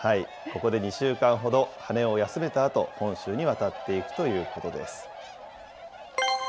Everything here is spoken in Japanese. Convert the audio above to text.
ここで２週間ほど、羽を休めたあと、本州に渡っていくということです。